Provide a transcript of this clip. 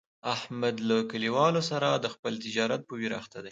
احمد له کلیوالو سره د خپل تجارت په ویر اخته دی.